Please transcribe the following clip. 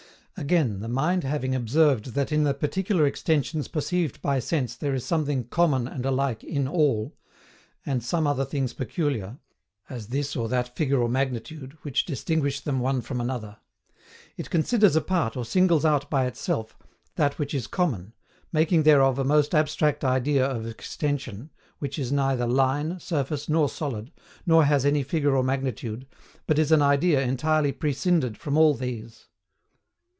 Again, the mind having observed that in the particular extensions perceived by sense there is something COMMON and alike IN ALL, and some other things peculiar, as this or that figure or magnitude, which distinguish them one from another; it considers apart or singles out by itself that which is common, making thereof a most abstract idea of extension, which is neither line, surface, nor solid, nor has any figure or magnitude, but is an idea entirely prescinded from all these.